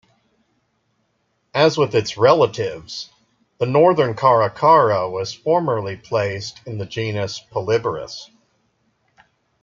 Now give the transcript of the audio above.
As with its relatives, the northern caracara was formerly placed in the genus "Polyborus".